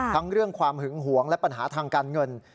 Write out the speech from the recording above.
เรื่องความหึงหวงและปัญหาทางการเงิน